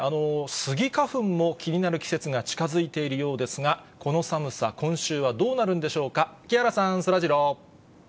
スギ花粉も気になる季節が近づいているようですが、この寒さ、今週はどうなるんでしょうか、木原さん、そらジロー。